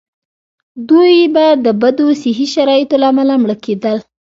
دوی به د بدو صحي شرایطو له امله مړه کېدل.